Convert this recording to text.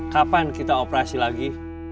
kapan kita operasi lagi